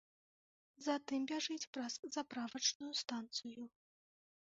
Затым бяжыць праз заправачную станцыю.